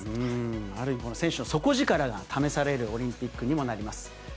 ある意味、この選手の底力が試されるオリンピックにもなります。